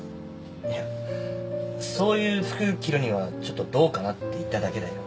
いやそういう服着るにはちょっとどうかなって言っただけだよ